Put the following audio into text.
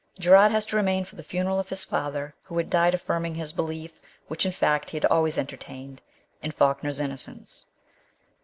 Gerard has to remain for the funeral of his father, who had died affirming his belief, which in fact he had always enter tained, in Falkner's innocence.